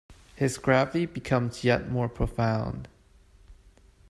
His gravity becomes yet more profound.